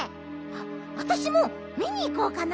わたしもみにいこうかな！